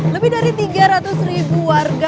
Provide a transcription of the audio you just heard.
lebih dari tiga rakyat singkawang di singkawang